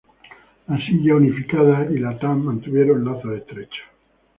La Silla unificada y la Tang mantuvieron lazos estrechos.